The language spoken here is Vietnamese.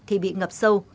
thì bị ngập sâu